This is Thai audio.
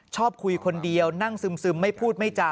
ชอบคุยคนเดียวนั่งซึมไม่พูดไม่จ่า